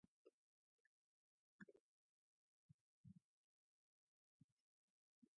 The Mike Sammes Singers also took part in the recording, providing backing vocals.